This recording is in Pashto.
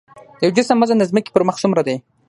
د یو جسم وزن د ځمکې پر مخ څومره دی؟